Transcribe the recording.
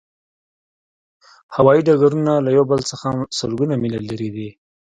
هوایی ډګرونه له یو بل څخه سلګونه میله لرې دي